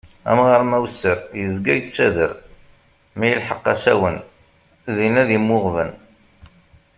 Amɣaṛ ma wesser, yezga yettader; mi ilheq asawen, din ad immuɣben.